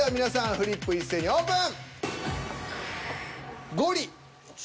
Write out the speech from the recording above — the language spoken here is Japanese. フリップ一斉にオープン！